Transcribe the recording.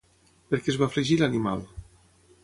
Per què es va afligir l'animal?